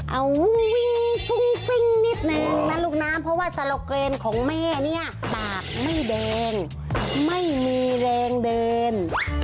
เอาวิ่งฟุ้งปิ้งนิดนึงนะลูกนะเพราะว่าโซโลเกรนของแม่เนี่ยปากไม่แดงไม่มีแรงเดิน